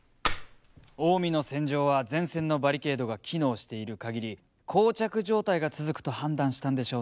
近江の戦場は前線のバリケードが機能している限りこう着状態が続くと判断したんでしょうね。